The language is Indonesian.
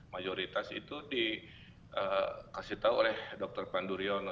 mayoritas itu dikasih tau oleh dr panduryono